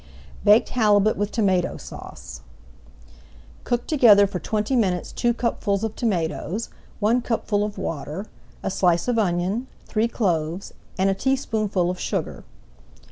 BAKED HALIBUT WITH TOMATO SAUCE Cook together for twenty minutes two cupfuls of tomatoes, one cupful of water, a slice of onion, three cloves, and a teaspoonful of sugar.